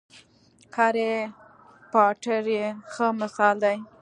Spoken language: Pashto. هرې پاټر یې ښه مثال دی.